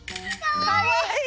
かわいい！